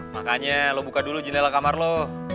makanya lo buka dulu jendela kamar lo